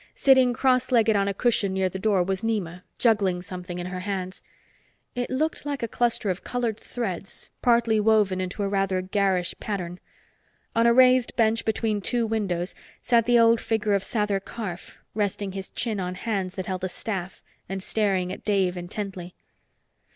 Sitting cross legged on a cushion near the door was Nema, juggling something in her hands. It looked like a cluster of colored threads, partly woven into a rather garish pattern. On a raised bench between two windows sat the old figure of Sather Karf, resting his chin on hands that held a staff and staring at Dave intently.